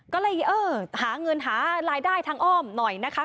ก็เลยเออหาเงินหารายได้ทางอ้อมหน่อยนะคะ